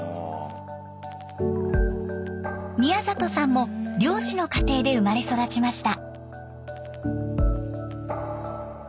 宮里さんも漁師の家庭で生まれ育ちました。